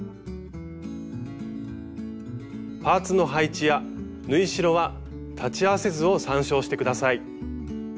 パーツの配置や縫い代は裁ち合わせ図を参照して下さい。